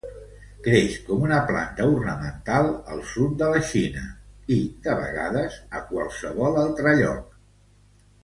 Creix com una planta ornamental al sud de la Xina i, de vegades, a qualsevol altre lloc.